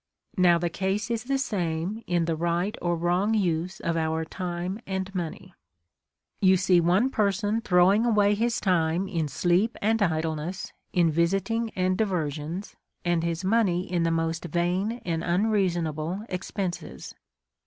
Now, the case is the same in the right or wrong use of our time and money. You s(?e one per 18 A SERIOUS CALL TO A son throwing away his time in sleep and idleness^ iti visiting and diversions, and his money in the most vain and unreasonable expenses.